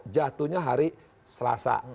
jatuhnya hari selasa